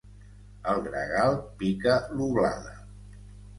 El gregal pica l'oblada.